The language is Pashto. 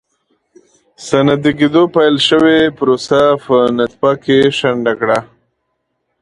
صنعتي کېدو پیل شوې پروسه په نطفه کې شنډه کړه.